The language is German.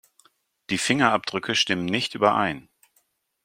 Die Fingerabdrücke stimmen nicht überein.